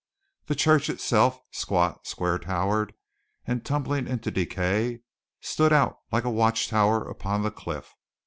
The church itself, squat, square towered, and tumbling into decay, stood out like a watch tower upon the cliff.